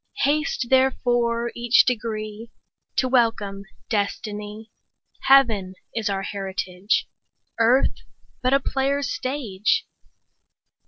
35 Haste therefore each degree To welcome destiny; Heaven is our heritage, Earth but a player's stage.